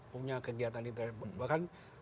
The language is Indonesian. punya kegiatan intelijen bahkan